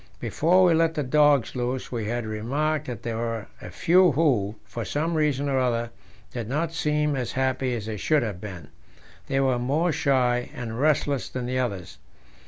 Before we let the dogs loose we had remarked that there were a few who, for some reason or other, did not seem as happy as they should have been: they were more shy and restless than the others.